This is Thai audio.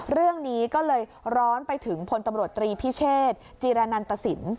เรื่องนี้ก็เลยร้อนไปถึงพลตำรวจตรีพิเชษจีรนันตสิน